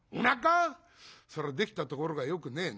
そりゃできたところがよくねえな。